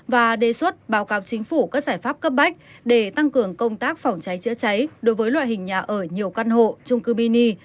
và đề xuất báo cáo chính phủ các giải pháp cấp bách để tăng cường công tác phòng cháy chữa cháy đối với loại hình nhà ở nhiều căn hộ trung cư mini